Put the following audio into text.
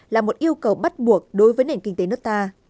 là một yêu cầu bắt buộc đối với nền kinh tế nước ta